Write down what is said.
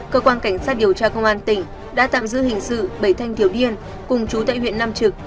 cơ quan cảnh sát điều tra công an tỉnh đã tạm giữ hình sự bảy thanh thiếu niên cùng chú tại huyện nam trực